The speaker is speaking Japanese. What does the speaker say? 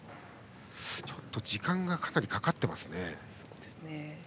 時間が、かなりかかっていますね。